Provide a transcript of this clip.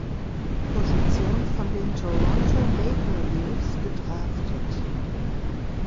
Position von den Toronto Maple Leafs gedraftet.